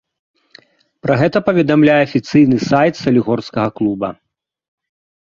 Пра гэта паведамляе афіцыйны сайт салігорскага клуба.